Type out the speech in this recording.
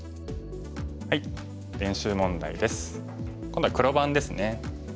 今度は黒番ですね。